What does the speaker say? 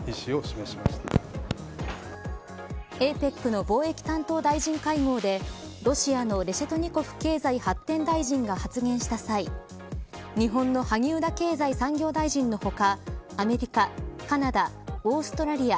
ＡＰＥＣの貿易担当大臣会合でロシアのレシェトニコフ経済発展大臣が発言した際日本の萩生田経済産業大臣の他アメリカ、カナダオーストラリア